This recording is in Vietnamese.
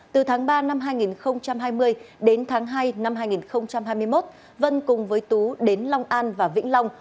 từ tháng ba năm hai nghìn hai mươi đến tháng hai năm hai nghìn hai mươi một vân cùng với tú đến long an và vĩnh long